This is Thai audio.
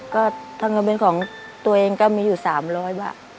ก็ถ้าเป็นของตัวเองก็มีอยู่สามร้อยบาท